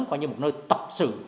coi như một nơi tập sự